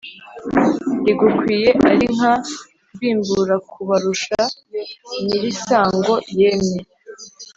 rigukwiye ari nka mbimburakubarusha nyirisango yemye.